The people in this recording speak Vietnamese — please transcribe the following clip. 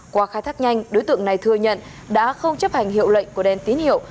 qua khai thác nhanh đối tượng này thừa nhận đã không chấp hành hiệu lệnh của đèn tín hiệu